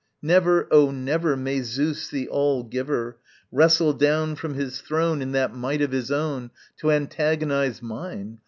_ Never, oh never May Zeus, the all giver, Wrestle down from his throne In that might of his own To antagonize mine!